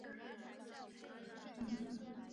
佛利碱茅为禾本科碱茅属下的一个种。